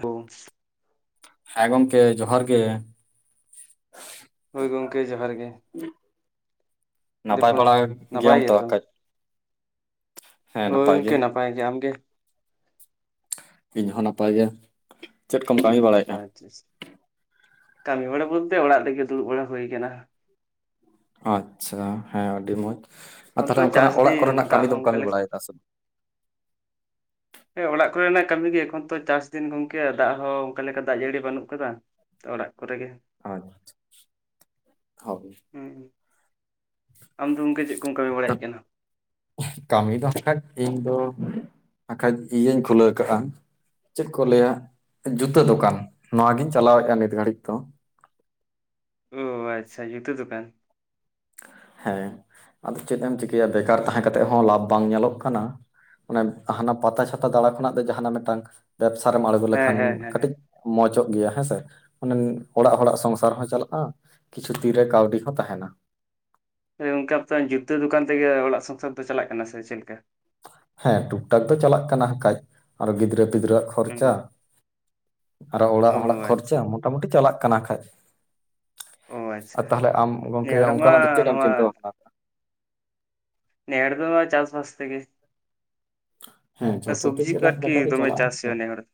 ᱚ ᱾ ᱦᱮᱸ ᱜᱚᱝᱠᱮ ᱡᱚᱦᱟᱨ ᱜᱮ ᱾ ᱦᱳᱭ ᱜᱚᱢᱠᱮ ᱡᱚᱦᱟᱨ ᱜᱮ ᱾ ᱱᱟᱯᱟᱭ ᱵᱟᱲᱟ ᱱᱟᱯᱟᱭ ᱜᱮᱭᱟᱢ ᱛᱚ ᱜᱮᱛᱚ ᱠᱟᱹᱡ ᱾ ᱦᱳᱭ ᱜᱚᱝᱠᱮ ᱱᱟᱯᱟᱭ ᱜᱮ ᱟᱢ ᱜᱮ? ᱤᱧᱦᱚᱸ ᱱᱟᱯᱟᱭ ᱜᱮ ᱪᱮᱫ ᱠᱚᱢ ᱠᱟᱹᱢᱤ ᱟᱪᱪᱷᱟ ᱵᱟᱲᱟᱭᱮᱫᱼᱟ? ᱟᱪᱪᱷᱟ ᱠᱟᱹᱢᱤ ᱵᱟᱲᱟ ᱵᱚᱞᱛᱮ ᱚᱲᱟᱜ ᱨᱮᱜᱮ ᱫᱩᱲᱩᱵ ᱵᱟᱲᱟ ᱦᱩᱭ ᱟᱠᱟᱱᱟ ᱾ ᱟᱪᱪᱷᱟ ᱦᱮᱸ ᱟᱹᱰᱤ ᱢᱚᱸᱡᱽ ᱟᱨ ᱮᱠᱷᱚᱱ ᱛᱚ ᱛᱟᱦᱚᱞᱮ ᱚᱱᱠᱟᱱᱟᱜ ᱪᱟᱥ ᱚᱲᱟᱜ ᱫᱤᱱ ᱠᱚᱨᱮᱱᱟᱜ ᱫᱟᱜ ᱠᱟᱹᱢᱤ ᱦᱚᱸ ᱫᱚᱢ ᱚᱱᱠᱟ ᱠᱟᱹᱢᱤ ᱞᱮᱠᱟ ᱵᱟᱲᱟᱭ ᱫᱟ ᱥᱮ ᱵᱟᱝ? ᱦᱮᱸ ᱚᱲᱟᱜ ᱠᱚᱨᱮᱱᱟᱜ ᱠᱟᱹᱢᱤ ᱜᱮ ᱮᱠᱷᱚᱱ ᱛᱚ ᱪᱟᱥ ᱫᱤᱱ ᱜᱚᱝᱠᱮ ᱫᱟᱜ ᱦᱚᱸ ᱚᱱᱠᱟ ᱞᱮᱠᱟ ᱫᱟᱜ ᱡᱟᱹᱲᱤ ᱵᱟᱹᱱᱩᱜ ᱟᱠᱟᱫᱟ᱾ ᱚᱲᱟᱜ ᱠᱚᱨᱮ ᱜᱮ ᱾ ᱟᱪᱪᱷᱟ ᱦᱳᱭ ᱾ ᱦᱩᱸ ᱟᱢ ᱫᱚ ᱜᱚᱢᱠᱮ ᱪᱮᱫ ᱠᱚᱢ ᱠᱟᱹᱢᱤ ᱵᱟᱲᱟᱭᱮᱫ ᱠᱟᱱᱟ? ᱠᱟᱹᱢᱤ ᱫᱚ ᱦᱠᱷᱟᱡ ᱤᱧ ᱫᱚ ᱦᱟᱠᱷᱟᱡ ᱤᱭᱟᱹᱧ ᱠᱷᱩᱞᱟᱹᱣ ᱟᱠᱟᱫᱼᱟ ᱾ ᱪᱮᱫ ᱠᱚ ᱞᱟᱹᱭᱟ ᱡᱩᱛᱟᱹ ᱫᱚᱠᱟᱱ ᱱᱚᱣᱟᱜᱤᱧ ᱪᱟᱞᱟᱣᱮᱫᱼᱟ ᱱᱤᱛ ᱜᱷᱟᱹᱲᱤᱡ ᱫᱚ ᱾ ᱚ ᱟᱪᱪᱷᱟ ᱡᱩᱛᱟᱹ ᱫᱚᱠᱟᱱ ᱾ ᱦᱮᱸ ᱟᱫᱚ ᱪᱮᱫ ᱮᱢ ᱪᱤᱠᱟᱹᱭᱟ ᱵᱮᱠᱟᱨ ᱛᱟᱦᱮᱸ ᱠᱟᱛᱮᱜ ᱦᱚᱸ ᱞᱟᱵᱷᱚ ᱵᱟᱝ ᱧᱮᱞᱚᱜ ᱠᱟᱱᱟ ᱚᱱᱮ ᱦᱟᱱᱟ ᱯᱟᱛᱟ ᱪᱷᱟᱛᱟ ᱫᱟᱬᱟ ᱠᱷᱚᱱᱟᱜ ᱫᱚ ᱡᱟᱦᱟᱱᱟᱜ ᱢᱤᱫᱴᱟᱱ ᱵᱮᱵᱽᱥᱟ ᱨᱮᱢ ᱟᱬᱜᱚ ᱦᱮᱸ ᱞᱮᱠᱷᱟᱱ ᱦᱮᱸ ᱦᱮᱸ ᱦᱮᱸ ᱠᱟᱹᱴᱤᱡ ᱢᱚᱸᱡᱚᱜ ᱜᱮᱭᱟ ᱦᱮᱸᱥᱮ ᱚᱱᱮ ᱚᱲᱟᱜ ᱦᱚᱲᱟᱜ ᱥᱚᱝᱥᱟᱨ ᱦᱚᱸ ᱪᱟᱞᱟᱜᱼᱟ ᱾ ᱠᱤᱪᱷᱩ [unintelligible] ᱛᱤᱨᱮ ᱠᱟᱹᱣᱰᱤ ᱦᱚᱸ ᱛᱟᱦᱮᱱᱟ ᱾ ᱚᱱᱠᱟ ᱡᱩᱛᱟᱹ ᱫᱚᱠᱟᱱ ᱛᱮᱜᱮ ᱚᱲᱟᱜ ᱥᱚᱝᱥᱟᱨ ᱫᱚ ᱪᱟᱞᱟᱜ ᱠᱟᱱᱟ ᱥᱮ ᱪᱮᱫᱮᱠᱟ ᱾ ᱦᱮᱸ ᱴᱩᱠ ᱴᱟᱠ ᱫᱚ ᱪᱟᱞᱟᱜ ᱠᱟᱱᱟ ᱦᱟᱜᱠᱷᱟᱡ ᱟᱨᱚ ᱜᱤᱫᱽᱨᱟᱹ ᱯᱤᱫᱽᱨᱟᱹᱣᱟᱜ ᱦᱩᱸ ᱠᱷᱚᱨᱪᱟ ᱟᱨᱚ ᱚᱲᱟᱜ ᱚ ᱦᱚᱲᱟᱜ ᱠᱷᱚᱨᱪᱟ ᱟᱪᱪᱷᱟ ᱢᱳᱴᱟᱢᱩᱴᱤ ᱪᱟᱞᱟᱜ ᱠᱟᱱᱟ ᱠᱷᱟᱡ᱾ ᱚ ᱟᱪᱪᱷᱟ ᱟᱨ ᱛᱟᱦᱞᱮ ᱟᱢ ᱜᱚᱝᱠᱮ ᱱᱤᱭᱟᱹ ᱦᱚᱲ ᱢᱟ ᱚᱱᱠᱟᱱᱟᱜ ᱫᱚ ᱪᱮᱫ ᱮᱢ ᱱᱚᱣᱟ ᱪᱤᱱᱛᱟᱹ ᱵᱷᱟᱵᱱᱟ ᱱᱮ ᱦᱚᱲ ᱫᱚ ᱪᱟᱥ ᱵᱟᱥ ᱛᱮ ᱜᱮ ᱾ ᱦᱮᱸ ᱡᱷᱚᱛᱚ ᱥᱚᱵᱽᱡᱤ ᱛᱮᱜᱮ ᱠᱚ ᱞᱟᱡ ᱟᱨᱠᱤ ᱫᱟᱠᱟ ᱫᱚ ᱫᱚᱢᱮ ᱪᱟᱞᱟᱜᱼᱟ ᱪᱟᱥ ᱾ ᱦᱩᱭᱩᱜᱼᱟ ᱱᱮ ᱦᱚᱲ ᱫᱚ᱾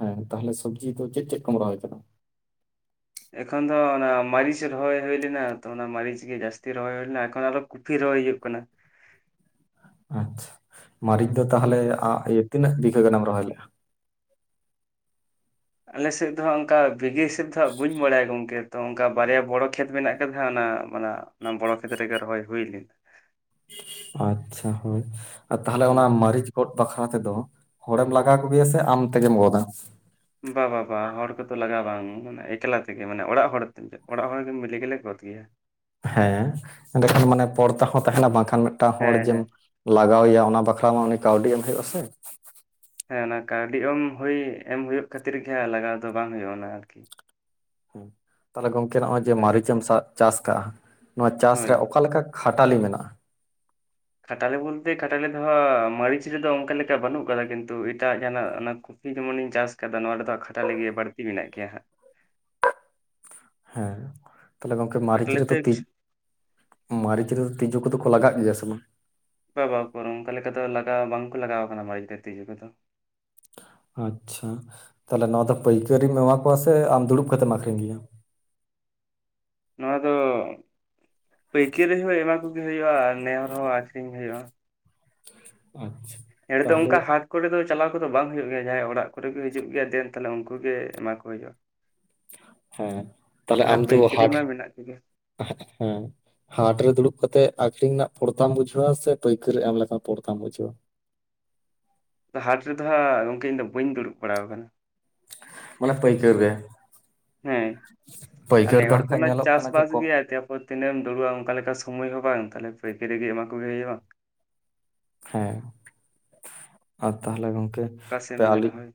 ᱦᱮᱸ ᱛᱟᱦᱚᱞᱮ ᱥᱚᱵᱡᱤ ᱫᱚ ᱪᱮᱫ ᱪᱮᱫ ᱠᱚᱢ ᱨᱚᱦᱚᱭ ᱠᱟᱫᱟ? ᱮᱠᱷᱚᱱ ᱫᱚ ᱚᱱᱟ ᱢᱟᱹᱨᱤᱪ ᱨᱚᱦᱚᱭ ᱦᱩᱭ ᱞᱮᱱᱟ ᱛᱚ ᱚᱱᱟ ᱢᱟᱹᱨᱤᱪ ᱜᱮ ᱡᱟᱹᱥᱛᱤ ᱨᱚᱦᱚᱭ ᱦᱩᱭ ᱞᱮᱱᱟ ᱮᱠᱷᱚᱱ ᱟᱨᱚ ᱯᱷᱤ ᱨᱚᱭ ᱦᱩᱭᱩᱜ ᱠᱟᱱᱟ ᱾ ᱟᱪᱪᱷᱟ ᱢᱟᱹᱨᱤᱪ ᱫᱚ ᱦᱩᱸ ᱛᱟᱦᱚᱞᱮ ᱛᱤᱱᱟᱹᱜ ᱵᱤᱜᱷᱟᱹ ᱜᱟᱱᱮᱢ ᱨᱚᱦᱚᱭ ᱞᱮᱫᱼᱟ? ᱟᱞᱮᱥᱮᱫ ᱫᱚᱦᱟ ᱚᱱᱠᱟ ᱵᱤᱜᱷᱟᱹ ᱦᱤᱥᱮᱵ ᱫᱚᱦᱟᱜ ᱵᱟᱹᱧ ᱵᱟᱲᱟᱭᱟ ᱜᱚᱢᱠᱮ ᱾ ᱛᱚ ᱚᱱᱠᱟ ᱵᱟᱨᱭᱟ ᱵᱚᱲᱚ ᱠᱷᱮᱛ ᱢᱮᱱᱟᱜ ᱟᱠᱟᱫᱟ ᱚᱱᱟ ᱚᱱᱟ ᱚᱱᱟ ᱵᱚᱲᱚ [unintelligible] ᱠᱷᱮᱛ ᱨᱮᱜᱮ ᱨᱚᱦᱚᱭ ᱦᱩᱭ ᱞᱮᱱᱟ᱾ ᱟᱪᱪᱷᱟ ᱦᱳᱭ ᱟᱨ ᱛᱟᱦᱚᱞᱮ ᱦᱩᱸ ᱚᱱᱟ ᱢᱟᱹᱨᱤᱪ᱾ ᱜᱚᱫ ᱵᱟᱠᱷᱨᱟ ᱛᱮᱫᱚ ᱦᱚᱲᱮᱢ ᱞᱟᱜᱟᱣ ᱠᱚᱜᱮᱭᱟ ᱥᱮ ᱟᱢ ᱛᱮᱜᱮᱢ ᱜᱚᱫᱟ᱾ ᱵᱟ ᱵᱟ ᱵᱟ ᱦᱚᱲ ᱠᱚᱫᱚ ᱞᱟᱜᱟ ᱵᱟᱝ ᱢᱟᱱᱮ ᱮᱠᱞᱟ ᱛᱮᱜᱮ ᱢᱟᱱᱮ ᱚᱲᱟᱜ ᱦᱚᱲ ᱚᱲᱟᱜ ᱦᱚᱲ ᱢᱤᱞᱤ ᱜᱮᱞᱮ ᱜᱚᱫ ᱜᱮᱭᱟ᱾ ᱦᱮᱸ ᱮᱸᱰᱮᱠᱷᱟᱱ ᱢᱟᱱᱮ ᱯᱚᱲᱛᱟ ᱦᱚᱸ ᱛᱟᱦᱮᱱᱟ ᱵᱟᱝᱠᱷᱟᱱ ᱢᱤᱫᱴᱟᱱ ᱦᱚᱲ ᱦᱮᱸ ᱡᱮᱢ ᱦᱮᱸ ᱞᱟᱜᱟᱣᱮᱭᱟ ᱚᱱᱟ ᱵᱟᱠᱷᱨᱟ ᱢᱟ ᱩᱱᱤ ᱠᱟᱹᱣᱰᱤ ᱮᱢ ᱦᱩᱭᱩᱜ ᱟ ᱥᱮ᱾ ᱦᱮᱸ ᱚᱱᱟ ᱠᱟᱹᱣᱰᱤ ᱮᱢ ᱦᱩᱭ ᱮᱢ ᱦᱩᱭᱩᱜ ᱠᱷᱟᱹᱛᱤᱨ ᱜᱮ ᱦᱮᱸ ᱞᱟᱜᱟᱣ ᱫᱚ ᱵᱟᱝ ᱦᱩᱭᱩᱜᱼᱟ ᱚᱱᱟ ᱟᱨᱠᱤ᱾ ᱦᱮᱸ ᱛᱟᱦᱞᱮ ᱜᱚᱝᱠᱮ ᱱᱚᱜᱼᱚᱭ ᱡᱮ ᱦᱳᱭ ᱢᱟᱹᱨᱤᱪ ᱮᱢ ᱪᱟᱥ ᱠᱟᱜᱼᱟ ᱱᱚᱣᱟ ᱪᱟᱥ ᱦᱳᱭ ᱨᱮ ᱚᱠᱟᱞᱮᱠᱟ ᱠᱷᱟᱴᱟᱞᱤ ᱢᱮᱱᱟᱜᱼᱟ᱾ ᱠᱷᱟᱴᱟᱞᱮ ᱵᱚᱞᱛᱮ ᱠᱷᱟᱴᱟᱞᱮ ᱫᱚ ᱦᱟᱸᱜ ᱢᱟᱹᱨᱤᱪ ᱨᱮᱫᱚ ᱚᱱᱠᱟ ᱞᱮᱠᱟ ᱵᱟᱹᱱᱩᱜ ᱠᱟᱫᱟ ᱠᱤᱱᱛᱩ ᱮᱴᱟᱜ ᱡᱟᱦᱟᱸᱱᱟᱜ ᱚᱱᱟ ᱠᱩᱯᱷᱤ ᱡᱮᱢᱚᱱᱤᱧ ᱪᱟᱥ ᱠᱟᱫᱟ ᱱᱚᱣᱟ ᱨᱮᱫᱚ ᱠᱷᱟᱴᱟᱞᱤᱜᱮ ᱵᱟᱹᱲᱛᱤ ᱢᱮᱱᱟᱜ ᱜᱮᱭᱟ ᱦᱟᱸᱜ᱾ ᱦᱮᱸ ᱛᱟᱦᱞᱮ ᱜᱚᱝᱠᱮ ᱢᱟᱹᱨᱤᱪ ᱠᱷᱟᱴᱟᱞᱮᱛᱮ ᱨᱮᱫᱚ ᱛᱤᱡ ᱢᱟᱹᱨᱤᱪ ᱨᱮᱫᱚ ᱛᱤᱡᱩ ᱠᱚᱫᱚ ᱠᱚ ᱞᱟᱜᱟᱜ ᱜᱮᱭᱟ ᱥᱮ ᱵᱟᱝ? ᱵᱟᱵᱟ ᱩᱠᱩᱨ ᱚᱱᱠᱟ ᱞᱮᱠᱟ ᱫᱚ ᱞᱟᱜᱟᱣ ᱵᱟᱝᱠᱚ ᱞᱟᱜᱟᱣ ᱠᱟᱱᱟ ᱢᱟᱤᱡ ᱨᱮ ᱛᱤᱡᱩ ᱠᱚᱫᱚ᱾ ᱟᱪᱪᱷᱟ ᱛᱟᱦᱚᱞᱮ ᱱᱚᱣᱟ ᱫᱚ ᱯᱟᱹᱭᱠᱟᱹᱨᱤᱢ ᱮᱢᱟ ᱠᱚᱣᱟ ᱥᱮ ᱟᱢ ᱫᱩᱲᱩᱵ ᱠᱟᱛᱮᱢ ᱟᱠᱷᱨᱤᱧ ᱜᱮᱭᱟ? ᱱᱚᱣᱟ ᱫᱚ ᱯᱟᱹᱭᱠᱟᱹᱨᱤ ᱦᱚᱸ ᱮᱢᱟ ᱠᱚᱜᱮ ᱦᱩᱭᱩᱜᱼᱟ ᱟᱨ ᱱᱮᱦᱚᱨ ᱦᱚᱸ ᱟᱠᱷᱨᱤᱧ ᱦᱩᱭᱩᱜᱼᱟ᱾ ᱟᱪᱪᱷᱟ᱾ ᱱᱮ ᱦᱚᱲ ᱛᱚ ᱛᱟᱦᱚᱞᱮ ᱚᱝᱠᱟ ᱦᱟᱴ ᱠᱚᱨᱮ ᱫᱚ ᱪᱟᱞᱟᱣ ᱠᱚᱫᱚ ᱵᱟᱝ ᱦᱩᱭᱩᱜ ᱜᱮᱭᱟ ᱡᱟᱦᱟᱸᱭ ᱚᱲᱟᱜ ᱠᱚᱨᱮ ᱜᱮ ᱦᱤᱡᱩᱜ ᱜᱮᱭᱟ ᱫᱮᱱ ᱛᱟᱦᱚᱞᱮ ᱩᱱᱠᱩᱜ ᱜᱮ ᱮᱢᱟ ᱠᱚ ᱦᱩᱭᱩᱜᱼᱟ᱾ [inaudible] ᱦᱮᱸ ᱛᱟᱦᱞᱮ ᱟᱨ ᱟᱢ ᱫᱚ ᱯᱟᱹᱭᱠᱟᱹᱨᱤ ᱦᱟᱴ ᱢᱟ ᱢᱮᱱᱟᱜ ᱠᱚᱜᱮ ᱦᱮᱸ᱾ ᱦᱟᱴ ᱨᱮ ᱫᱩᱲᱩᱵ ᱠᱟᱛᱮᱜ ᱟᱠᱷᱨᱤᱧ ᱨᱮᱱᱟᱜ ᱯᱚᱲᱛᱟᱢ ᱵᱩᱡᱷᱟᱹᱣᱟ ᱥᱮ ᱯᱟᱹᱭᱠᱟᱹᱨᱮ ᱮᱢ ᱞᱮ ᱞᱮᱠᱟᱱ ᱯᱚᱲᱛᱟᱢ ᱵᱩᱡᱷᱟᱹᱣᱟ? ᱛᱚ ᱦᱟᱸᱴ ᱨᱮᱫᱚ ᱦᱟᱸᱜ ᱜᱚᱝᱠᱮ ᱤᱧ ᱫᱚ ᱵᱟᱹᱧ ᱫᱩᱲᱩᱵ ᱵᱟᱲᱟ ᱠᱟᱱᱟ᱾ ᱢᱟᱱᱮ ᱯᱟᱹᱭᱠᱟᱹᱨ ᱨᱮ᱾ ᱦᱮᱸ ᱟᱨ ᱱᱮ ᱫᱚ ᱦᱚᱲ ᱦᱟᱸᱜ ᱠᱷᱟᱡ ᱚᱱᱟ ᱧᱮᱞᱚᱜ ᱠᱟᱱᱟ ᱡᱮ ᱪᱟᱥ-ᱵᱟᱥ ᱠᱚᱢ ᱜᱮᱭᱟ ᱛᱟ ᱯᱚᱨ ᱛᱤᱱᱟᱹᱜ ᱮᱢ ᱫᱩᱲᱩᱵᱼᱟ ᱚᱱᱠᱟ ᱞᱮᱠᱟ ᱥᱚᱢᱚᱭ ᱦᱚᱸ ᱵᱟᱝ ᱛᱟᱦᱚᱞᱮ ᱯᱟᱹᱭᱠᱟᱹᱨ ᱨᱮᱜ ᱮᱢᱟ ᱠᱚᱜᱮ ᱦᱩᱭᱩᱜᱼᱟ᱾ ᱦᱮᱸ ᱟᱨ ᱛᱟᱦᱚᱞᱮ ᱜᱚᱝᱠᱮ ᱚᱠᱟ ᱥᱮᱫ ᱛᱮ ᱮᱢ ᱧᱮᱞᱟ ᱟᱹᱞᱤᱝ ᱦᱳᱭ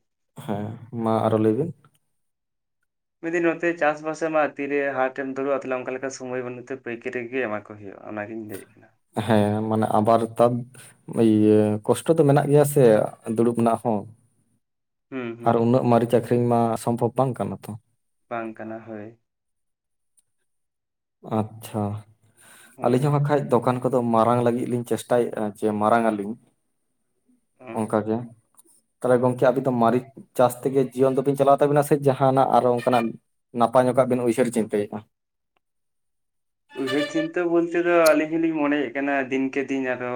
ᱦᱮᱸ ᱢᱟ ᱟᱨᱚ ᱞᱟᱹᱭᱵᱤᱱ᱾ ᱢᱤᱫ ᱫᱤᱱ ᱱᱚᱛᱮ ᱪᱟᱥ-ᱵᱟᱥ ᱟᱢᱟᱜ ᱛᱤᱨᱮ ᱦᱟᱴᱮᱢ ᱫᱩᱵᱼᱟ ᱛᱟᱦᱚᱞᱮ ᱚᱱᱠᱟ ᱞᱮᱠᱟ ᱥᱚᱢᱳᱚᱭ ᱵᱟᱹᱱᱮᱛᱮ ᱯᱟᱹᱭᱠᱟᱹᱨᱤ ᱜᱮ ᱮᱢᱟ ᱦᱩᱭᱩᱜᱼᱟ᱾ ᱚᱱᱟᱜᱤᱧ ᱞᱮᱭᱮᱫ ᱛᱟᱦᱮᱸᱱᱟ᱾ ᱦᱮᱸ ᱢᱟᱱᱮ ᱟᱵᱟᱨ ᱛᱟᱵ ᱤᱭᱟᱹ ᱠᱚᱥᱴᱚ ᱫᱚ ᱢᱮᱱᱟᱜ ᱜᱮᱭᱟ ᱥᱮ ᱫᱩᱲᱩᱵ ᱨᱮᱱᱟᱜ ᱦᱚᱸ᱾ ᱦᱩᱸ ᱦᱩᱸ ᱟᱨ ᱩᱱᱟᱹᱜ ᱢᱟᱹᱨᱤᱪ ᱟᱹᱠᱷᱨᱤᱧ ᱢᱟ ᱥᱚᱢᱵᱷᱚᱵᱽ ᱵᱟᱝ ᱠᱟᱱᱟ ᱛᱚ᱾ ᱵᱟᱝ ᱠᱟᱱᱟ ᱦᱳᱭ᱾ ᱟᱪᱪᱷᱟ ᱦᱳᱭ ᱟᱹᱞᱤᱧ ᱦᱚᱸ ᱦᱟᱸᱠᱷᱟᱡ ᱫᱚᱠᱟᱱ ᱠᱚᱫᱚ ᱢᱟᱨᱟᱝ ᱞᱟᱹᱜᱤᱫ ᱞᱤᱧ ᱪᱮᱥᱴᱟᱭᱮᱫᱼᱟ ᱡᱮ ᱢᱟᱨᱟᱝ ᱟᱹᱞᱤᱧ ᱦᱩᱸ᱾ ᱚᱝᱠᱟᱜ ᱜᱮ ᱛᱟᱦᱚᱞᱮ ᱜᱚᱝᱠᱮ ᱟᱵᱤᱱ ᱫᱚ ᱢᱟᱨᱟᱹᱨᱤᱪ ᱪᱟᱥ ᱛᱮᱜᱮ ᱡᱤᱭᱚᱱ ᱫᱚᱵᱤᱱ ᱪᱟᱞᱟᱣ ᱛᱟᱵᱤᱱᱟ ᱥᱮ ᱡᱟᱦᱟᱸᱱᱟᱜ ᱟᱨᱚ ᱚᱝᱠᱟᱱᱟᱜ ᱱᱟᱯᱟᱭ ᱧᱚᱜᱚᱠᱟᱜ ᱵᱤᱱ ᱩᱭᱦᱟᱹᱨ ᱪᱤᱱᱛᱟᱹᱭᱮᱫᱟ, ᱩᱭᱦᱟᱹᱨ ᱪᱤᱱᱛᱟᱹ ᱵᱚᱞᱛᱮ ᱫᱚ ᱟᱹᱞᱤᱧ ᱦᱚᱞᱤᱧ ᱢᱚᱱᱮᱭᱮᱫ ᱠᱟᱱᱟ ᱫᱤᱱᱠᱮ ᱫᱤᱱ ᱟᱨᱚ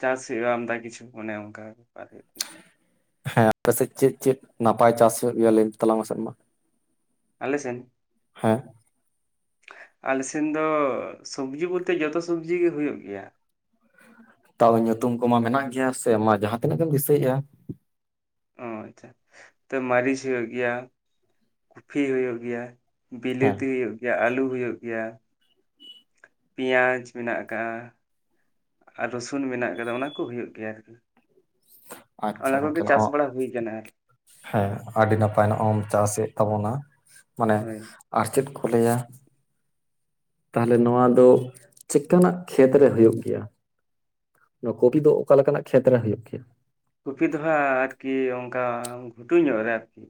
ᱪᱟᱥ ᱦᱩᱭᱩᱜᱼᱟ ᱟᱢᱫᱟ ᱠᱤᱪᱩ ᱚᱱᱮ [unintelligible] ᱠᱟᱱᱟ᱾ ᱦᱮᱸ ᱟᱯᱮᱥᱮᱫ ᱪᱮᱫ ᱪᱮᱫ ᱱᱟᱯᱟᱭ ᱪᱟᱥ ᱦᱩᱭᱩᱜ ᱞᱟᱹᱭ ᱛᱟᱞᱟᱝ ᱢᱟᱥᱮᱫ ᱢᱟ᱾ ᱟᱞᱮ ᱥᱮᱱ? ᱦᱮᱸ ᱟᱞᱮ ᱥᱮᱱ ᱫᱚ ᱥᱚᱵᱡᱤ ᱵᱚᱞᱛᱮ ᱡᱚᱛᱚ ᱥᱚᱵᱡᱤᱜ ᱜᱮ ᱦᱩᱭᱩᱜ ᱜᱮᱭᱟ᱾ ᱛᱟᱣ ᱧᱩᱛᱩᱢ ᱠᱚᱢᱟ ᱢᱮᱱᱟᱜ ᱜᱮᱭᱟ ᱥᱮ ᱢᱟ ᱡᱟᱦᱟᱸ ᱛᱤᱱᱟᱹᱜ ᱜᱮ ᱮᱢ ᱫᱤᱥᱟᱹᱭᱮᱜᱼᱟ᱾ ᱚ ᱟᱪᱪᱷᱟ ᱛᱚ ᱢᱟᱹᱨᱤᱪ ᱦᱩᱭᱩᱜ ᱜᱮᱭᱟ ᱠᱚᱯᱷᱤ ᱦᱩᱭᱩᱜ ᱜᱮᱭᱟ ᱦᱮᱸ ᱵᱤᱞᱟᱹᱛᱤ ᱦᱩᱭᱩᱜ ᱜᱮᱭᱟ ᱟᱹᱞᱩ ᱦᱩᱭᱩᱜ ᱜᱮᱭᱟ ᱯᱮᱭᱟᱡᱽ ᱢᱮᱱᱟᱜ ᱠᱟᱜᱼᱟ ᱟᱨ ᱨᱟᱥᱩᱱ ᱢᱮᱱᱟᱜ ᱟᱠᱟᱫᱟ ᱚᱱᱟ ᱠᱚ ᱦᱩᱭᱩᱜ ᱜᱮᱭᱟ ᱟᱨᱠᱤ᱾ ᱟᱪᱪᱷᱟ ᱚᱱᱟ ᱜᱚᱝᱠᱮ ᱠᱚᱜᱮ ᱱᱚᱜ ᱪᱟᱥ ᱵᱟᱲᱟ ᱦᱩᱭ ᱠᱟᱱᱟ ᱟᱨᱠᱤ᱾ ᱦᱮᱸ ᱟᱹᱰᱤ ᱱᱟᱯᱟᱭ ᱧᱚᱜ ᱮᱢ ᱪᱟᱥᱮᱫ ᱛᱟᱵᱚᱱᱟ ᱢᱟᱱᱮ ᱦᱳᱭ ᱟᱨ ᱪᱮᱫ ᱠᱚ ᱞᱟᱹᱭᱟ ᱛᱟᱦᱚᱞᱮ ᱱᱚᱣᱟ ᱫᱚ ᱪᱮᱠᱟᱱᱟᱜ ᱠᱷᱮᱛ ᱨᱮ ᱦᱩᱭᱩᱜ ᱜᱮᱭᱟ? ᱱᱚᱣᱟ ᱠᱚᱯᱤ ᱫᱚ ᱚᱠᱟ ᱞᱮᱠᱟᱱᱟᱜ ᱠᱷᱮᱛᱨᱮ ᱦᱩᱭᱩᱜ ᱜᱮᱭᱟ? ᱠᱚᱯᱤ ᱫᱚ ᱦᱟᱜ ᱟᱨᱠᱤ ᱚᱱᱠᱟ ᱜᱷᱩᱴᱩ ᱧᱚᱜ ᱨᱮ ᱟᱨᱠᱤ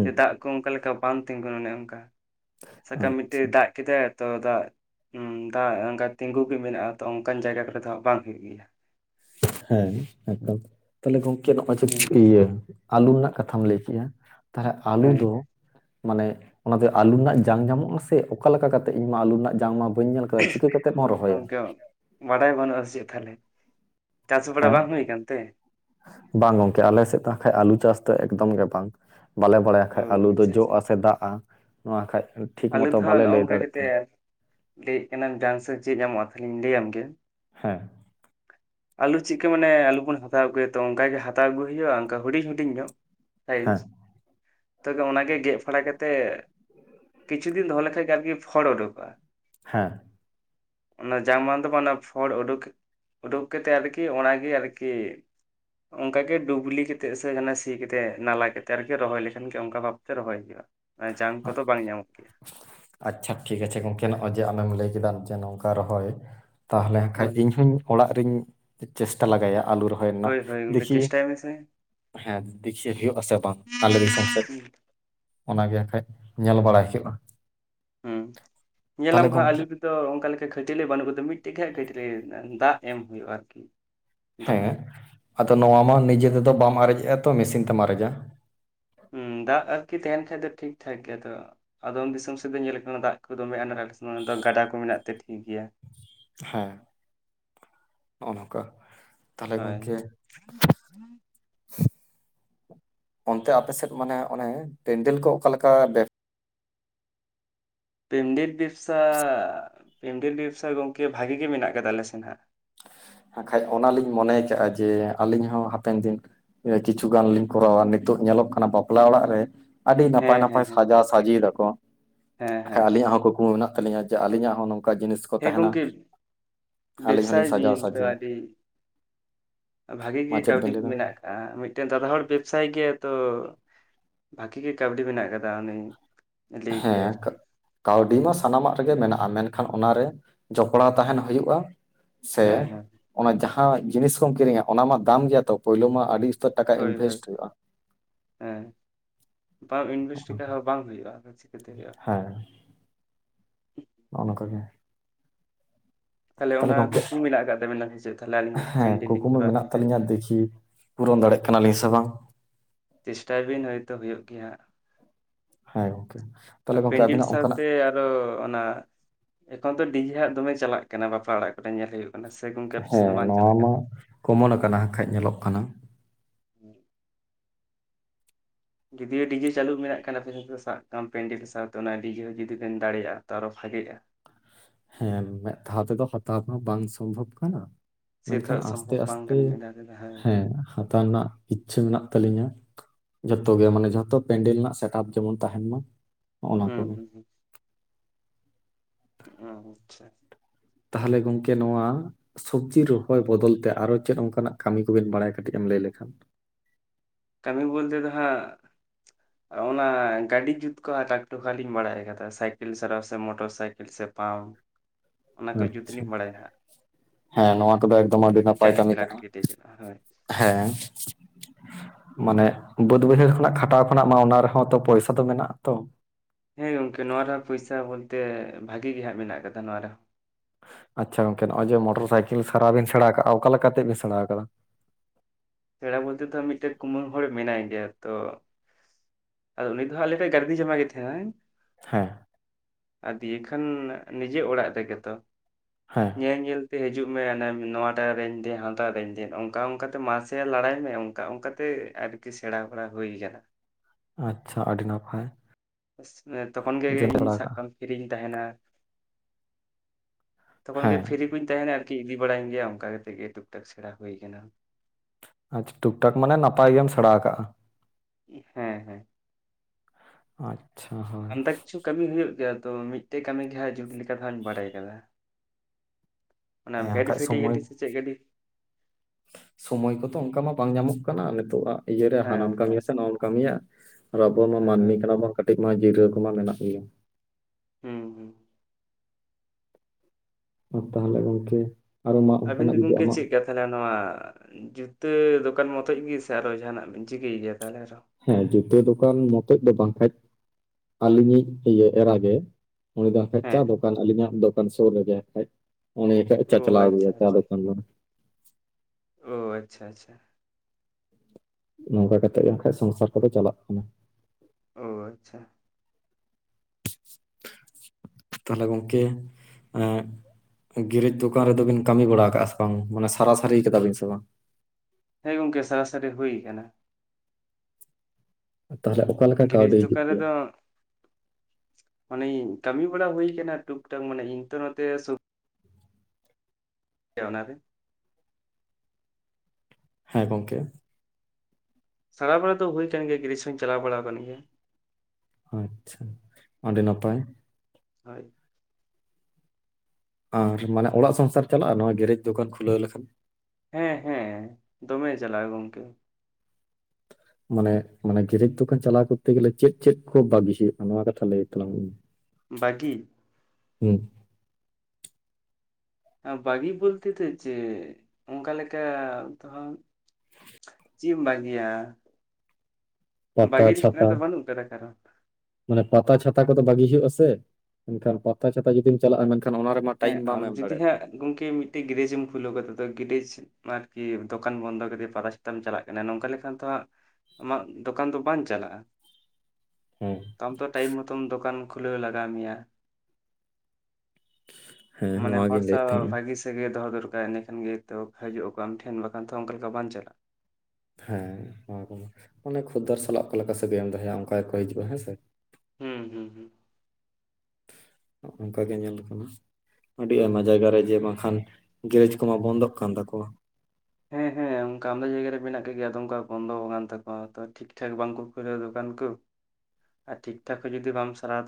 ᱥᱮ ᱫᱟᱜ ᱚᱱᱠᱟ ᱞᱮᱠᱟ ᱵᱟᱝ ᱛᱤᱜᱩᱱᱟ ᱚᱱᱮ ᱚᱱᱠᱟ ᱥᱟᱠᱟᱢ ᱟᱪᱪᱷᱟ ᱢᱤᱫᱴᱮᱡ ᱫᱟᱜ ᱠᱮᱫᱟᱭ ᱛᱚ ᱫᱟᱜ ᱫᱟᱜ ᱚᱱᱠᱟ ᱛᱤᱸᱜᱩ ᱜᱮ ᱢᱮᱱᱟᱜᱼᱟ ᱛᱚ ᱚᱱᱠᱟᱱ ᱡᱟᱭᱜᱟ ᱠᱚᱨᱮ ᱫᱚ ᱦᱟᱜ ᱵᱟᱝ ᱦᱩᱭᱩᱜ ᱜᱮᱭᱟ ᱾ ᱦᱮᱸ ᱮᱠᱫᱚᱢ ᱛᱟᱦᱞᱮ ᱜᱚᱢᱠᱮ ᱱᱚᱜᱼᱚᱭ ᱡᱮ ᱦᱮᱸ ᱤᱭᱟᱹ ᱟᱞᱩ ᱨᱮᱱᱟᱜ ᱠᱟᱛᱷᱟᱢ ᱞᱟᱹᱭ ᱠᱮᱜᱼᱟ ᱛᱟᱦᱚᱞᱮ ᱟᱞᱩ ᱦᱮᱸ ᱫᱚ ᱢᱟᱱᱮ ᱚᱱᱟᱛᱮ ᱟᱞᱩ ᱨᱮᱱᱟᱜ ᱡᱟᱝ ᱧᱟᱢᱚᱜᱼᱟᱥᱮ ᱚᱠᱟ ᱞᱮᱠᱟ ᱠᱟᱛᱮ ᱤᱧ ᱢᱟ ᱟᱞᱩ ᱨᱮᱱᱟᱜ ᱡᱟᱝ ᱢᱟ ᱵᱟᱹᱧ ᱧᱮᱞ ᱠᱟᱫᱟ ᱪᱤᱠᱟᱹ ᱠᱟᱛᱮᱜ ᱵᱚᱱ ᱨᱚᱦᱚᱭᱟ ᱚᱝᱠᱮ ᱵᱟᱰᱟᱭ ᱵᱟᱹᱱᱩᱜᱼᱟ ᱪᱮᱫ ᱛᱟᱦᱚᱞᱮ? ᱪᱟᱥ ᱵᱟᱲᱟ ᱦᱮᱸ ᱵᱟᱝ ᱦᱩᱭ ᱠᱟᱱᱛᱮ? ᱵᱟᱝ ᱜᱚᱝᱠᱮ ᱟᱞᱮ ᱥᱮᱫ ᱫᱚ ᱠᱷᱟᱱ ᱟᱞᱩ ᱪᱟᱥ ᱫᱚ ᱮᱠᱫᱚᱢ ᱜᱮ ᱵᱟᱝ ᱵᱟᱞᱮ ᱵᱟᱲᱟᱭᱟ ᱾ ᱚ ᱠᱷᱟᱱ ᱟᱹᱞᱩ ᱫᱚ ᱟᱪᱪᱷᱟ ᱡᱚᱜ ᱟᱪᱪᱷᱟ ᱟ ᱥᱮ ᱫᱟᱜᱼᱟ ᱱᱚᱣᱟ ᱠᱷᱟᱡ ᱴᱷᱤᱠ ᱟᱞᱮ ᱢᱚᱛᱚ ᱫᱚ ᱦᱟᱸᱜ ᱵᱟᱞᱮ ᱱᱚᱜᱼ ᱞᱟᱹᱭ ᱱᱚᱝᱠᱟ ᱫᱟᱲᱮᱜ ᱠᱟᱛᱮ ᱠᱟᱱᱟ ᱞᱟᱹᱭᱮᱫ ᱠᱟᱱᱟ ᱡᱟᱝ ᱥᱮ ᱪᱮᱫ ᱧᱟᱢᱚᱜᱼᱟ ᱛᱟᱦᱚᱞᱮᱧ ᱞᱟᱹᱭᱟᱢ ᱜᱮ ᱦᱮᱸ ᱾ [inaudible] ᱟᱞᱩ ᱪᱮᱜ ᱠᱟ ᱢᱟᱱᱮ ᱟᱞᱩ ᱵᱚᱱ ᱦᱟᱛᱟᱣ ᱟᱜᱩᱭᱟ ᱛᱚ ᱚᱱᱠᱟ ᱜᱮ ᱦᱟᱛᱟᱣ ᱟᱹᱜᱩᱭ ᱦᱩᱭᱩᱜᱼᱟ ᱚᱱᱠᱟ ᱦᱩᱰᱤᱧ ᱦᱩᱰᱤᱧ ᱧᱚᱜ ᱥᱟᱭᱤᱡ ᱦᱮᱸ ᱛᱚᱵᱮ ᱚᱱᱟᱜᱮ ᱜᱮᱫ ᱯᱟᱲᱟᱜ ᱠᱟᱛᱮᱫ ᱠᱤᱪᱷᱩ ᱫᱤᱱ ᱫᱚᱦᱚ ᱞᱮᱠᱷᱟᱡ ᱜᱮ ᱟᱨᱠᱤ ᱯᱷᱚᱲ ᱩᱰᱩᱠᱚᱜᱼᱟ ᱾ ᱦᱮᱸ ᱾ ᱚᱱᱟ ᱡᱟᱝ ᱢᱟᱝ ᱫᱚ ᱵᱟᱝ ᱚᱱᱟ ᱯᱷᱚᱲ ᱩᱰᱩᱠ ᱩᱰᱩᱠ ᱠᱟᱛᱮᱜ ᱟᱨᱠᱤ ᱚᱱᱟᱜᱮ ᱟᱨᱠᱤ ᱚᱱᱠᱟ ᱜᱮ ᱰᱩᱵᱞᱤ ᱠᱟᱛᱮᱜ ᱥᱮ ᱥᱤ ᱠᱟᱛᱮ ᱱᱟᱞᱟ ᱠᱟᱛᱮᱜ ᱟᱨᱠᱤ ᱨᱚᱦᱚᱭ ᱞᱮᱠᱷᱟᱱᱜᱤ ᱚᱱᱠᱟ ᱵᱷᱟᱵᱛᱮ ᱨᱚᱦᱚᱭ ᱼᱟ ᱡᱟᱝ ᱠᱚᱫᱚ ᱵᱟᱝ ᱧᱟᱢᱚᱜ ᱜᱮᱭᱟ ᱟᱪᱪᱷᱟ ᱴᱷᱤᱠ ᱟᱪᱷᱮ ᱜᱚᱢᱠᱮ ᱱᱚᱜᱼᱚᱭ ᱡᱮ ᱟᱢᱮᱢ ᱞᱟᱹᱭ ᱠᱮᱫᱟ ᱡᱮ ᱱᱚᱝᱠᱟ ᱨᱚᱦᱚᱭ ᱛᱟᱦᱚᱞᱮ ᱟᱜᱠᱷᱟᱡ ᱦᱳᱭ ᱤᱧᱦᱚᱧ ᱚᱲᱟᱜ ᱨᱤᱧ ᱪᱮᱥᱴᱟ ᱞᱮᱟᱜᱟᱭᱟ ᱟᱹᱞᱩ ᱨᱚᱦ ᱦᱚᱭ ᱨᱮᱱᱟᱜ ᱦᱳᱭ ᱦᱳᱭ ᱜᱚᱝᱠᱮ ᱫᱮᱠᱷᱤ ᱪᱮᱥᱴᱟᱭ ᱢᱮᱥᱮ ᱦᱮᱸ ᱫᱮᱠᱷᱤ ᱦᱩᱭᱩᱜ ᱟᱥᱮ ᱵᱟᱝ ᱟᱞᱮ ᱫᱤᱥᱚᱢ ᱥᱮᱫ ᱾ ᱚᱱᱟᱜᱮ ᱟᱜᱠᱷᱟᱡ ᱧᱮᱞ ᱵᱟᱲᱟᱭᱼᱟ ᱾ ᱦᱩᱸ ᱧᱮᱞᱟᱢ ᱦᱟᱸᱜ ᱟᱞᱩ ᱜᱚᱢᱠᱮ ᱛᱚ ᱚᱱᱠᱟ ᱞᱮᱠᱟ ᱠᱷᱟᱹᱴᱟᱞᱤ ᱵᱟᱹᱱᱩᱜ ᱠᱟᱫᱟ ᱢᱤᱫᱴᱮᱡ ᱜᱮ ᱦᱟᱸᱜ ᱠᱷᱟᱹᱴᱞ ᱫᱟᱜ ᱮᱢ ᱦᱩᱭᱩᱜᱼᱟ ᱟᱨᱠᱤ ᱦᱮᱸ ᱫᱚᱢᱮ ᱟᱫᱚ ᱱᱚᱣᱟ ᱢᱟ ᱱᱤᱡᱮ ᱛᱮᱫᱚ ᱵᱟᱢ ᱟᱨᱮᱡᱮᱜᱼᱟ ᱛᱚ ᱢᱮᱥᱤᱱ ᱛᱮᱢ ᱟᱨᱮᱡᱟ ᱾ ᱦᱮᱸ ᱫᱟᱜ ᱟᱨᱠᱤ ᱛᱟᱦᱮᱱ ᱠᱷᱟᱡ ᱫᱚ ᱴᱷᱤᱠ ᱴᱷᱟᱠ ᱜᱮᱭᱟ ᱛᱚ ᱟᱫᱚᱢ ᱫᱤᱥᱚᱢ ᱥᱮᱫ ᱫᱚ ᱧᱮᱞ ᱟᱠᱟᱱᱟ ᱫᱟᱜ ᱠᱚ ᱫᱚᱢᱮ ᱱᱟ ᱜᱟᱰᱟ ᱠᱚ ᱢᱮᱱᱟᱜ ᱛᱮ ᱴᱷᱤᱠ ᱜᱮᱭᱟ ᱾ ᱦᱮᱸ ᱱᱚᱜᱼᱚ ᱱᱚᱝᱠᱟ ᱾ ᱛᱟᱦᱚᱞᱮ ᱦᱳᱭ ᱜᱚᱝᱠᱮ ᱚᱱᱛᱮ ᱟᱯᱮ ᱥᱮᱫ ᱢᱟᱱᱮ ᱚᱱᱮ ᱯᱮᱱᱰᱮᱞ ᱠᱚ ᱚᱠᱟᱞᱮᱠᱟ ᱵᱮ ᱯᱤᱱᱰᱤᱛ ᱵᱮᱵᱽᱥᱟ ᱯᱤᱱᱰᱤᱛ ᱵᱮᱵᱽᱥᱟ ᱜᱚᱝᱠᱮ ᱵᱷᱟᱜᱤ ᱜᱮ ᱢᱮᱱᱟᱜ ᱟᱠᱟᱫᱟ ᱟᱞᱮᱥᱮᱱ ᱦᱟᱜ ᱾ ᱟᱠᱷᱟᱡ ᱚᱱᱟᱞᱤᱧ ᱢᱚᱱᱮ ᱠᱟᱜᱼᱟ ᱡᱮ ᱟᱹᱞᱤᱧ ᱦᱚᱸ ᱦᱟᱯᱮᱱ ᱫᱤᱱ ᱠᱤᱪᱷᱩ ᱜᱟᱱ ᱞᱤᱧ ᱠᱚᱨᱟᱣᱟ ᱱᱤᱛᱚᱜ ᱧᱮᱞᱚᱜ ᱠᱟᱱᱟ ᱵᱟᱯᱞᱟ ᱚᱲᱟᱜ ᱨᱮ ᱟᱹᱰᱤ ᱱᱟᱯᱟᱭ ᱦᱮᱸ ᱦᱮᱸ ᱱᱟᱯᱟᱭ ᱦᱮᱸ ᱥᱟᱡᱟᱣᱼ ᱴᱷᱤᱠ ᱴᱷᱤᱠ ᱥᱟᱡᱤᱭ ᱫᱟᱠᱚ ᱦᱮᱸ ᱦᱮᱸ ᱵᱟᱠᱷᱟᱡ ᱦᱮᱸ ᱟᱹᱞᱤᱧᱟᱜ ᱦᱚᱸ ᱠᱩᱠᱢᱩ ᱢᱮᱱᱟᱜ ᱛᱟᱹᱞᱤᱧᱟ ᱡᱮ ᱟᱹᱞᱤᱧᱟᱜ ᱦᱚᱸ ᱱᱚᱝᱠᱟ ᱡᱤᱱᱤᱥ ᱠᱚ ᱦᱮᱸ ᱛᱟᱦᱮᱱᱟ ᱜᱚᱝᱠᱮ ᱟᱹᱞᱤᱧ ᱵᱮᱵᱽᱥᱟᱭ ᱦᱚᱸᱞᱤᱧ ᱥᱟᱡᱟᱣ ᱛᱚ ᱥᱟᱡᱤᱭᱟ ᱟᱹᱰᱤ ᱵᱷᱟᱜᱤ ᱜᱮ ᱢᱟ ᱪᱮᱫ ᱠᱟᱹᱣᱰᱤ ᱵᱮᱱ ᱠᱚ ᱞᱟᱹᱭᱫᱟ ᱢᱮᱱᱟᱜ ᱟᱻ ᱢᱤᱫᱴᱮᱱ ᱫᱟᱫᱟ ᱦᱚᱲ ᱵᱮᱵᱽᱥᱟᱭ ᱜᱮᱭᱟ ᱛᱚ ᱵᱷᱟᱜᱤ ᱜᱮ ᱠᱟᱣᱰᱤ ᱢᱮᱱᱟᱜ ᱠᱟᱫᱟ ᱩᱱᱤ ᱞᱟᱹᱭ ᱜᱮᱭᱟ ᱦᱮᱸ ᱟᱨᱠᱤ ᱾ ᱠᱟᱹᱣᱰᱤ ᱢᱟ ᱥᱟᱱᱟᱢᱟᱜ ᱨᱮᱜᱮ ᱢᱮᱱᱟᱜᱼᱟ ᱢᱮᱱᱠᱷᱟᱱ ᱚᱱᱟᱨᱮ ᱡᱚᱯᱲᱟᱣ ᱛᱟᱦᱮᱸᱱ ᱦᱩᱭᱩᱜᱼᱟ ᱾ ᱥᱮ ᱦᱮᱸ ᱦᱮᱸ ᱚᱱᱟ ᱡᱟᱦᱟᱸ ᱡᱤᱱᱤᱥ ᱠᱚᱢ ᱠᱤᱨᱤᱧᱟ ᱚᱱᱟ ᱢᱟ ᱫᱟᱢ ᱜᱮᱭᱟ ᱛᱚ ᱯᱳᱭᱞᱳ ᱢᱟ ᱟᱹᱰᱤ ᱩᱛᱟᱹᱨ ᱴᱟᱠᱟ ᱦᱳᱭ ᱦᱳᱭ ᱤᱱᱵᱷᱮᱥᱴ ᱦᱩᱭᱩᱜᱼᱟ ᱦᱮᱸ ᱵᱟᱢ ᱤᱱᱵᱷᱮᱥᱴ ᱞᱮᱠᱷᱟᱡ ᱦᱚ ᱵᱟᱝ ᱦᱩᱭᱩᱜᱼᱟ ᱟᱫᱚ ᱪᱤᱠᱟᱹᱛᱮ ᱦᱩᱭᱩᱜᱼᱟ ᱾ ᱦᱮᱸ ᱦᱮᱸ ᱦᱚᱸ-ᱚ ᱱᱚᱠᱟᱜᱮ ᱾ ᱛᱟᱦᱚᱞᱮ ᱛᱟᱦᱞᱮ ᱚᱱᱟ ᱜᱚᱢᱠᱮ ᱠᱩᱠᱢᱩ ᱢᱮᱱᱟᱜ ᱟᱠᱟᱫ ᱛᱟᱵᱮᱱᱟ ᱥᱮ ᱪᱮᱫ ᱛᱟᱦᱚᱞᱮ ᱟᱹᱞᱤᱧᱟᱜ ᱦᱮᱸ ᱯᱮᱱᱰᱮᱞ ᱞᱤᱧ ᱠᱩᱠᱢᱩ ᱠᱚᱨᱟᱣᱟ ᱢᱮᱱᱟᱜ ᱢᱮᱱᱛᱮ ᱛᱟᱞᱤᱧᱟ ᱫᱮᱠᱷᱤ ᱾ ᱯᱩᱨᱚᱱ ᱫᱟᱲᱮᱜ ᱠᱟᱱᱟᱞᱤᱧ ᱥᱮ ᱵᱟᱝ ᱾ ᱪᱮᱥᱴᱟᱭ ᱵᱤᱱ ᱦᱳᱭᱛᱳ ᱦᱩᱭᱩᱜ ᱜᱮᱭᱟ ᱦᱟᱸᱜ ᱾ ᱦᱮᱸ ᱜᱚᱝᱠᱮ ᱛᱟᱦᱚᱞᱮ ᱟᱨ ᱜᱚᱝᱠᱮ ᱯᱤᱱᱰᱤᱞ ᱟᱵᱤᱱᱟᱜ ᱚᱱᱠᱟᱱᱟᱜ ᱥᱟᱶᱛᱮ ᱟᱨᱚ ᱚᱱᱟ ᱮᱠᱷᱚᱱ ᱛᱚ ᱰᱤᱡᱮ ᱦᱟᱸᱜ ᱫᱚᱢᱮ ᱪᱟᱞᱟᱜ ᱠᱟᱱᱟ ᱵᱟᱯᱞᱟ ᱚᱲᱟᱜ ᱠᱚᱨᱮ ᱧᱮᱞ ᱦᱩᱭᱩᱜ ᱠᱟᱱᱟ ᱥᱮ ᱜᱚᱢᱠᱮ ᱟᱯᱮᱥᱮᱫ ᱫᱚ ᱦᱮᱸ ᱵᱟᱝ ᱱᱚᱣᱟ ᱪᱟᱞᱟᱜ ᱢᱟ ᱠᱟᱱᱟ? ᱠᱚᱢᱚᱱ ᱟᱠᱟᱱᱟ ᱠᱟᱡᱽ ᱧᱮᱞᱚᱜ ᱠᱟᱱᱟ ᱾ [inaudible] ᱡᱩᱫᱤᱭᱳ ᱰᱤᱡᱮ ᱪᱟᱹᱞᱩ ᱢᱮᱱᱟᱜ ᱠᱷᱟᱱ ᱟᱯᱮ ᱥᱟᱱ ᱥᱟᱵ ᱠᱟᱢ ᱯᱮᱱᱰᱤᱞ ᱥᱟᱶᱛᱮ ᱚᱱᱟ ᱰᱤᱡᱮ ᱦᱚᱸ ᱡᱩᱫᱤ ᱵᱮᱱ ᱫᱟᱲᱮᱭᱟᱜᱼᱟ ᱛᱚ ᱟᱨᱚ ᱵᱷᱟᱜᱮᱜᱼᱟ ᱾ ᱦᱮᱸ ᱢᱮᱫ ᱫᱷᱟᱣ ᱛᱮᱫᱚ ᱦᱟᱛᱟᱣ ᱦᱚᱸ ᱵᱟᱝ ᱥᱚᱢᱵᱷᱚᱵ ᱠᱟᱱᱟ ᱾ ᱥᱮ ᱛᱚ ᱢᱮᱱᱠᱷᱟᱱ ᱦᱟᱸᱜ ᱟᱥᱛᱮ ᱥᱚᱢᱵᱷᱚᱵ ᱵᱟᱝ ᱟᱥᱛᱮ ᱠᱟᱱᱟ ᱢᱤᱫ ᱫᱷᱟᱣ ᱛᱮᱫᱚ ᱦᱮᱸ ᱦᱟᱛᱟᱣ ᱨᱮᱱᱟᱜ ᱤᱪᱪᱷᱟᱹ ᱢᱮᱱᱟᱜ ᱛᱟᱹᱞᱤᱧᱟ ᱡᱷᱚᱛᱚ ᱜᱮ ᱢᱟᱱᱮ ᱡᱷᱚᱛᱚ ᱯᱮᱱᱰᱮᱞ ᱨᱮᱱᱟᱜ ᱥᱮᱴᱟᱯ ᱡᱮᱢᱚᱱ ᱛᱟᱦᱮᱱ ᱢᱟ ᱾ ᱦᱩᱸ ᱦᱩᱸ ᱦᱩᱸ ᱚ ᱟᱪᱪᱷᱟ ᱛᱟᱦᱚᱞᱮ ᱜᱚᱝᱠᱮ ᱱᱚᱣᱟ ᱥᱚᱵᱽᱡᱤ ᱨᱚᱦᱚᱭ ᱵᱚᱫᱚᱞ ᱛᱮ ᱟᱨᱚ ᱪᱮᱫ ᱚᱱᱠᱟᱱᱟᱜ ᱠᱟᱹᱢᱤ ᱠᱚᱵᱤᱱ ᱵᱟᱲᱟᱭᱟ ᱠᱟᱹᱴᱤᱡ ᱮᱢ ᱞᱟᱹᱭ ᱞᱮᱠᱷᱟᱱ ᱠᱟᱹᱢᱤ ᱵᱚᱞᱛᱮ ᱫᱚ ᱦᱟᱸᱜ ᱚᱱᱟ ᱜᱟᱹᱰᱤ ᱡᱩᱛ ᱠᱚ ᱴᱟᱠ ᱴᱩᱠ ᱦᱟᱸᱜ ᱞᱤᱧ ᱵᱟᱲᱟᱭ ᱟᱠᱟᱫᱟ ᱥᱟᱭᱠᱮᱞ ᱥᱟᱨᱟᱣ ᱥᱮ ᱢᱚᱴᱚᱨ ᱥᱟᱭᱠᱮᱞ ᱥᱮ ᱯᱟᱣ ᱚᱱᱟ ᱠᱚ ᱡᱩᱛᱞᱤᱧ ᱟᱪᱪᱷᱟ ᱵᱟᱲᱟᱭᱟ ᱦᱟᱸᱜ ᱾ ᱦᱮᱸ ᱱᱚᱣᱟ ᱠᱚᱫᱚ ᱮᱠᱫᱚᱢ ᱟᱹᱰᱤ ᱱᱟᱯᱟᱭ ᱠᱟᱹᱢᱤ ᱠᱟᱱᱟ ᱟᱨᱠᱤ ᱪᱟᱞᱟᱜᱼᱟ ᱦᱳᱭ ᱦᱮᱸ ᱢᱟᱱᱮ ᱵᱟᱹᱫ ᱵᱟᱹᱭᱦᱟᱹᱲ ᱠᱷᱚᱱᱟᱜ ᱠᱷᱟᱴᱟᱣ ᱠᱷᱚᱱᱟᱜ ᱢᱟ ᱚᱱᱟ ᱨᱮᱦᱚᱸ ᱛᱚ ᱯᱚᱭᱥᱟ ᱫᱚ ᱢᱮᱱᱟᱜ-ᱟ ᱛᱚ ᱾ ᱦᱮᱸ ᱜᱚᱝᱠᱮ ᱱᱚᱣᱟ ᱨᱮ ᱯᱚᱭᱥᱟ ᱵᱚᱞᱛᱮ ᱵᱷᱟᱜᱤ ᱜᱮ ᱦᱟᱸᱜ ᱢᱮᱱᱟᱜ ᱟᱠᱟᱫᱟ ᱱᱚᱣᱟ ᱨᱮᱦᱚᱸ ᱾ ᱟᱪᱪᱷᱟ ᱜᱚᱝᱠᱮ ᱱᱚᱜᱼᱚᱭ ᱡᱮ ᱢᱚᱴᱚᱨ ᱥᱟᱭᱠᱮᱞ ᱥᱟᱨᱟᱣ ᱵᱤᱱ ᱥᱮᱬᱟ ᱟᱠᱟᱜᱼᱟ ᱚᱠᱟ ᱞᱮᱠᱟᱛᱮ ᱵᱤᱱ ᱥᱮᱬᱟᱣ ᱟᱠᱟᱫᱟ? ᱥᱮᱬᱟ ᱵᱚᱞᱛᱮ ᱫᱚ ᱢᱤᱫᱴᱮᱡ ᱠᱩᱢᱟᱹᱝ ᱦᱚᱲ ᱢᱮᱱᱟᱭ ᱜᱮᱭᱟ ᱛᱚ ᱟᱫᱚ ᱩᱱᱤ ᱫᱚ ᱟᱞᱮ ᱴᱷᱮᱡ ᱜᱟᱹᱨᱫᱤ ᱡᱟᱢᱟᱭ ᱜᱮ ᱛᱟᱦᱮ ᱱᱟᱭ ᱾ ᱦᱮᱸ ᱟᱨ ᱫᱤᱭᱮ ᱠᱷᱟᱱ ᱱᱤᱡᱮ ᱚᱲᱟᱜ ᱨᱮᱜᱮ ᱛᱚ ᱾ ᱦᱮᱸ ᱧᱮᱞ ᱧᱮᱞ ᱛᱮ ᱦᱤᱡᱩᱜ ᱢᱮ ᱱᱚᱣᱟ ᱴᱟᱭᱟᱨ ᱨᱮᱸᱧ ᱫᱮᱱ ᱦᱟᱱᱟ ᱴᱟᱭᱟᱨ ᱨᱮᱸᱧ ᱫᱮᱱ ᱚᱱᱠᱟ ᱚᱱᱠᱟᱛᱮ ᱢᱟᱥᱮ ᱞᱟᱲᱟᱭ ᱢᱮ ᱚᱱᱠᱟ ᱚᱱᱠᱟ ᱛᱮ ᱟᱨᱠᱤ ᱥᱮᱬᱟ ᱵᱟᱲᱟ ᱦᱩᱭ ᱠᱟᱱᱟ ᱾ ᱟᱪᱪᱷᱟ ᱟᱹᱰᱤ ᱱᱟᱯᱟᱭ ᱾ ᱛᱚᱠᱷᱚᱱ ᱜᱮ ᱤᱧ ᱥᱟᱵ ᱠᱟᱜᱼᱟ ᱠᱟᱢ ᱯᱷᱤᱨᱤᱧ ᱛᱟᱦᱮᱱᱟ ᱛᱚᱠᱷᱚᱱ ᱜᱮ ᱦᱮᱸ ᱯᱷᱤᱨᱤ ᱠᱚᱧ ᱛᱟᱦᱮᱱᱟ ᱟᱨᱠᱤ ᱤᱫᱤ ᱵᱟᱲᱟᱧ ᱜᱮᱭᱟ ᱚᱱᱠᱟ ᱠᱟᱛᱮᱫ ᱜᱮ ᱴᱩᱠ ᱴᱟᱠ ᱥᱮᱬᱟ ᱦᱩᱭ ᱠᱟᱱᱟ ᱾ ᱟᱪᱪᱷᱟ ᱴᱩᱠ ᱴᱟᱠ ᱢᱟᱱᱮ ᱱᱟᱯᱟᱭ ᱜᱮᱢ ᱥᱮᱬᱟ ᱟᱠᱟᱜᱼᱟ ᱾ ᱦᱮᱸ ᱦᱮᱸ ᱟᱪᱪᱷᱟ ᱦᱳᱭ ᱟᱢᱫᱟ ᱠᱤᱪᱷᱩ ᱠᱟᱹᱢᱤ ᱦᱩᱭᱩᱜ ᱜᱮᱭᱟ ᱛᱚ ᱢᱤᱫᱴᱮᱡ ᱠᱟᱹᱢᱤ ᱜᱮ ᱦᱟᱸᱜ ᱡᱩᱛ ᱞᱮᱠᱟ ᱫᱚ ᱦᱟᱸᱧ ᱵᱟᱰᱟᱭ ᱟᱠᱟᱫᱟ ᱾ ᱚᱱᱟ ᱦᱮᱸ ᱵᱷᱮᱰ ᱵᱟᱠᱷᱟᱡ ᱵᱷᱮᱴᱤ ᱥᱚᱢᱚᱭ ᱜᱟᱹᱰᱤ ᱥᱮ ᱪᱮᱫ ᱜᱟᱹᱰᱤ? ᱥᱚᱢᱚᱭ ᱠᱚᱛᱚ ᱚᱱᱠᱟ ᱢᱟ ᱵᱟᱝ ᱧᱟᱢᱚᱜ ᱠᱟᱱᱟ ᱱᱤᱛᱚᱜ ᱦᱟᱸᱜ ᱾ ᱤᱭᱟᱹᱨᱮ ᱦᱮᱸ ᱦᱟᱱᱟᱢ ᱦᱮᱸ ᱠᱟᱹᱢᱤᱭᱟ ᱥᱮ ᱱᱚᱣᱟᱢ ᱠᱟᱹᱢᱤᱭᱟ ᱟᱫᱚ ᱟᱵᱚ ᱢᱟ ᱢᱟᱹᱱᱢᱤ ᱦᱳᱭ ᱠᱟᱱᱟ ᱵᱚᱱ ᱠᱟᱹ ᱴᱤᱡ ᱢᱟ ᱡᱤᱨᱟᱹᱣ ᱠᱚᱢᱟ ᱢᱮᱱᱟᱜ ᱜᱮ ᱦᱩᱸ ᱦᱩᱸ ᱛᱟᱦᱚᱞᱮ ᱜᱚᱢᱠᱮ ᱟᱨ ᱢᱟ ᱟᱹᱵᱤᱱ ᱫᱚ ᱚᱱᱠᱟᱱᱟᱜ ᱡᱩᱫᱤ ᱜᱚᱢᱠᱮ ᱟᱢᱟᱜ ᱪᱮᱫᱠᱟ ᱛᱟᱦᱚᱞᱮ ᱱᱚᱣᱟ ᱡᱩᱛᱟᱹ ᱫᱚᱠᱟᱱ ᱢᱚᱛᱚᱡ ᱜᱮ ᱥᱮ ᱟᱨᱚ ᱡᱟᱦᱟᱱᱟᱜ ᱵᱤᱱ ᱪᱤᱠᱟᱹᱭ ᱜᱮᱭᱟ ᱛᱟᱦᱚᱞᱮ ᱟᱨᱚ? ᱦᱮᱸ ᱡᱩᱛᱟᱹ ᱫᱚᱠᱟᱱ ᱢᱚᱛᱚᱡ ᱫᱚ ᱵᱟᱝᱠᱟᱡᱽ ᱟᱹᱞᱤᱧᱤᱡ ᱤᱭᱟᱹ ᱮᱨᱟ ᱜᱮ ᱩᱱᱤ ᱫᱚ ᱦᱟᱠᱷᱟᱡᱽ ᱪᱟ ᱦᱮᱸ ᱫᱚᱠᱟᱱ, ᱟᱹᱞᱤᱧᱟᱜ ᱫᱚᱠᱟᱱ ᱥᱩᱨ ᱨᱮᱜᱮ ᱠᱷᱟᱡᱽ᱾ ᱩᱱᱤ ᱮᱴᱟᱜ ᱮ ᱚ ᱪᱟᱪᱟᱞᱟᱣ ᱜᱮᱭᱟ ᱟᱪᱪᱷᱟ ᱪᱟ ᱟᱪᱪᱷᱟ ᱫᱚᱠᱟᱱ ᱫᱚ ᱦᱟᱜ᱾ ᱚ ᱟᱪᱪᱷᱟ ᱟᱪᱪᱷᱟ᱾ ᱱᱚᱝᱠᱟ ᱠᱟᱛᱮᱜ ᱵᱟᱝᱠᱷᱟᱡ ᱥᱚᱝᱥᱟᱨ ᱠᱚᱫᱚ ᱪᱟᱞᱟᱜ ᱠᱟᱱᱟ᱾ ᱚ ᱟᱪᱪᱷᱟ᱾ ᱛᱟᱦᱚᱞᱮ ᱜᱚᱢᱠᱮ ᱮ ᱜᱤᱨᱮᱡ ᱫᱚᱠᱟᱱ ᱨᱮᱫᱚ ᱵᱤᱱ ᱠᱟᱹᱢᱤ ᱵᱟᱲᱟ ᱟᱠᱟᱜ-ᱟ ᱥᱮ ᱵᱟᱝ ᱢᱟᱱᱮ ᱥᱟᱨᱟᱼᱥᱟᱨᱤ ᱠᱟᱫᱟ ᱵᱤᱱ ᱥᱮ ᱵᱟᱝ? ᱦᱮᱸ ᱜᱚᱢᱠᱮ ᱥᱟᱨᱟᱼᱥᱟᱨᱤ ᱦᱩᱭ ᱠᱟᱱᱟ᱾ ᱛᱟᱦᱚᱞᱮ ᱚᱠᱟᱞᱮᱠᱟ ᱜᱮᱨᱮᱡᱽ ᱠᱟᱹᱣᱰᱤ ᱦᱤᱡᱩᱜ ᱫᱚᱠᱟᱱ ᱜᱮᱭᱟ? ᱨᱮᱫᱚ ᱢᱟᱱᱮᱧ ᱠᱟᱹᱢᱤ ᱵᱟᱲᱟ ᱦᱩᱭ ᱟᱠᱟᱱᱟ ᱴᱩᱠ ᱴᱟᱠ ᱢᱟᱱᱮ ᱤᱧ ᱛᱚ ᱱᱚᱛᱮ ᱥᱩᱠ ᱠᱮᱣᱟ ᱚᱱᱟᱨᱮ ᱦᱮᱸ ᱜᱚᱢᱠᱮ᱾ ᱥᱟᱨᱟᱣ ᱵᱟᱲᱟ ᱫᱚ ᱦᱩᱭ ᱟᱠᱟᱱ ᱜᱮᱭᱟ ᱜᱤᱨᱮᱡ ᱥᱮᱱᱤᱧ ᱪᱟᱞᱟᱣ ᱵᱟᱲᱟ ᱟᱠᱟᱱ ᱜᱮᱭᱟ᱾ ᱟᱪᱪᱷᱟ ᱟᱹᱰᱤ ᱱᱟᱯᱟᱭ᱾ ᱦᱳᱭ ᱟᱨ ᱢᱟᱱᱮ ᱚᱲᱟᱜ ᱥᱚᱝᱥᱟᱨ ᱪᱟᱞᱟᱜ-ᱟ ᱱᱚᱣᱟ ᱜᱮᱨᱮᱡᱽ ᱫᱚᱠᱟᱱ ᱠᱷᱩᱞᱟᱹᱣ ᱞᱮᱠᱷᱟᱱ? ᱦᱮᱸ ᱦᱮᱸ ᱫᱚᱢᱮ ᱪᱟᱞᱟᱜ-ᱟ ᱜᱚᱢᱠᱮ᱾ ᱢᱟᱱᱮ ᱢᱟᱱᱮ ᱜᱮᱨᱮᱡ ᱫᱚᱠᱟᱱ ᱪᱟᱞᱟᱣ ᱠᱚᱛᱮ ᱜᱮᱞᱮ ᱪᱮᱫ ᱪᱮᱫ ᱠᱚ ᱵᱟᱹᱜᱤ ᱦᱩᱭᱩᱜ-ᱟ ᱱᱚᱣᱟ ᱠᱟᱛᱷᱟ ᱞᱟᱹᱭ ᱛᱟᱞᱟᱝ ᱢᱮ᱾ ᱵᱟᱹᱜᱤ ᱦᱩᱸ ᱵᱟᱹᱜᱤ ᱵᱚᱞᱛᱮ ᱫᱚ ᱪᱮᱫ ᱚᱱᱠᱟ ᱞᱮᱠᱟ ᱫᱚ ᱪᱮᱫ ᱮᱢ ᱵᱟᱹᱜᱤᱭᱟ, ᱯᱟᱛᱟ ᱵᱟᱹᱜᱤ ᱞᱮᱠᱟᱱᱟᱜ ᱪᱷᱟᱛᱟ ᱫᱚ ᱵᱟᱹᱱᱩᱜ ᱟᱠᱟᱫᱟ ᱠᱟᱨᱚᱱ᱾ ᱢᱟᱱᱮ ᱯᱟᱛᱟ ᱪᱷᱟᱛᱟ ᱠᱚᱫᱚ ᱵᱟᱹᱜᱤ ᱦᱩᱭᱩᱜᱼᱟ ᱥᱮ ᱢᱮᱱᱠᱷᱟᱱ ᱯᱟᱛᱟ ᱪᱷᱟᱛᱟ ᱡᱩᱫᱤᱢ ᱪᱟᱞᱟᱜᱼᱟ ᱢᱮᱱᱠᱷᱟᱱ ᱚᱱᱟ ᱨᱮᱢᱟ ᱦᱮᱸ ᱴᱟᱭᱤᱢ ᱟᱢ ᱵᱟᱢ ᱮᱢ ᱡᱩᱫᱤ ᱫᱟᱲᱮᱭᱟᱜᱼᱟ ᱦᱟᱸᱜ ᱜᱚᱢᱠᱮ ᱢᱤᱫᱴᱮᱡ ᱜᱮᱨᱮᱡ ᱮᱢ ᱠᱷᱩᱞᱟᱹᱣ ᱠᱟᱫᱟ ᱛᱚ ᱜᱮᱨᱮᱡ ᱟᱨᱠᱤ ᱫᱚᱠᱟᱱ ᱵᱚᱱᱫᱚ ᱠᱟᱛᱮ ᱯᱟᱛᱟ ᱪᱷᱟᱛᱟᱢ ᱪᱟᱞᱟᱜ ᱠᱟᱱᱟ ᱱᱚᱝᱠᱟ ᱞᱮᱠᱷᱟᱱ ᱫᱚ ᱦᱟᱸᱜ ᱟᱢᱟᱜ ᱫᱚᱠᱟᱱ ᱫᱚ ᱵᱟᱝ ᱪᱟᱞᱟᱜ-ᱟ᱾ ᱦᱩᱸ ᱟᱢ ᱛᱚ ᱴᱟᱭᱤᱢ ᱢᱚᱛᱚᱢ ᱫᱚᱠᱟᱱ ᱠᱷᱩᱞᱟᱹᱣ ᱞᱟᱜᱟᱣ ᱢᱮᱭᱟ᱾ [unintelligible] ᱢᱟᱱᱮ ᱦᱚᱲ ᱜᱤᱧ ᱞᱟᱹᱭᱮᱫ ᱥᱟᱶ ᱛᱟᱦᱮᱸᱜᱼᱟ ᱵᱷᱟᱜᱤ ᱥᱟᱹᱜᱟᱹᱭ ᱫᱚᱦᱚ ᱫᱚᱨᱠᱟᱨ, ᱤᱱᱟᱹ ᱠᱷᱟᱱ ᱜᱮ ᱛᱚ ᱦᱟᱡᱩᱜ ᱟᱠᱚ ᱟᱢ ᱴᱷᱮᱱ, ᱵᱟᱠᱷᱟᱱ ᱛᱚ ᱚᱱᱠᱟ ᱞᱮᱠᱟ ᱵᱟᱝ ᱪᱟᱞᱟᱜ-ᱟ᱾ ᱦᱮᱸ ᱱᱚᱣᱟ ᱠᱚᱢᱟ, ᱢᱟᱱᱮ ᱠᱷᱩᱫᱽᱫᱟᱨ ᱥᱟᱞᱟᱜ ᱚᱠᱟ ᱞᱮᱠᱟ ᱥᱟᱹᱜᱟᱹᱭ ᱮᱢ ᱫᱚᱦᱚᱭᱟ ᱚᱱᱠᱟ ᱜᱮᱠᱚ ᱦᱤᱡᱩᱜ-ᱟ ᱦᱮᱸᱥᱮ᱾ ᱦᱩᱸ ᱦᱩᱸ ᱦᱩᱸ᱾ ᱚᱱᱠᱟ ᱜᱮ ᱧᱮᱞ ᱠᱟᱱᱟ, ᱟᱹᱰᱤ ᱟᱭᱢᱟ ᱡᱟᱭᱜᱟ ᱨᱮ ᱡᱮ ᱵᱟᱝᱠᱷᱟᱱ ᱜᱮᱨᱮᱡᱽ ᱠᱚᱢᱟ ᱵᱚᱱᱫᱚᱜ ᱠᱟᱱ ᱛᱟᱠᱚᱣᱟ᱾ ᱦᱮᱸ ᱦᱮᱸ ᱚᱱᱠᱟ ᱟᱢᱫᱟ ᱡᱟᱭᱜᱟ ᱨᱮ ᱢᱮᱱᱟᱜ ᱟᱠᱟᱫ ᱜᱮᱭᱟ, ᱟᱫᱚ ᱚᱱᱠᱟ ᱵᱚᱱᱫᱚ ᱟᱠᱟᱱ ᱛᱟᱠᱚᱣᱟ ᱛᱚ ᱴᱷᱤᱠ ᱴᱷᱟᱠ ᱵᱟᱝᱠᱚ ᱠᱷᱩᱞᱟᱹ ᱫᱚᱠᱟᱱ ᱠᱚ ᱟᱨ ᱴᱷᱤᱠ ᱴᱷᱟᱠ ᱦᱚᱸ ᱡᱩᱫᱤ ᱵᱟᱢ ᱥᱟᱨᱟ